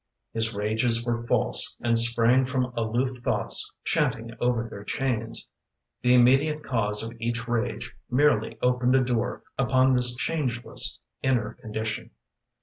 His rages were false and sprang From aloof thoughts chanting over their chains. The immediate cause of each rage Merely opened a door Upon this changeless inner condition.